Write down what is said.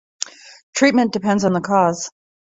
Treatment depends on the cause.